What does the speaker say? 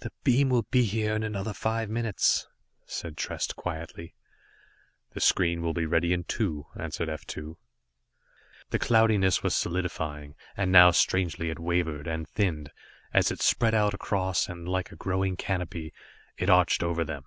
"The beams will be here in another five minutes," said Trest quietly. "The screen will be ready in two," answered F 2. The cloudiness was solidifying, and now strangely it wavered, and thinned, as it spread out across, and like a growing canopy, it arched over them.